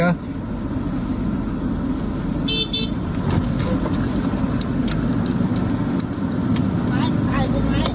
นี่นี่